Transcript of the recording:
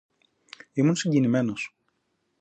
Ήμουν συγκινημένος